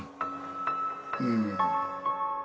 うん。